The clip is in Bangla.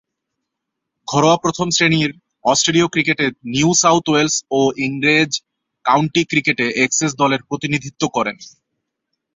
ঘরোয়া প্রথম-শ্রেণীর অস্ট্রেলীয় ক্রিকেটে নিউ সাউথ ওয়েলস ও ইংরেজ কাউন্টি ক্রিকেটে এসেক্স দলের প্রতিনিধিত্ব করেন।